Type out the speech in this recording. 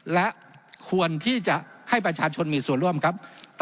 และควรที่จะให้ประชาชนมีส่วนร่วมครับ